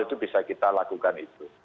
itu bisa kita lakukan itu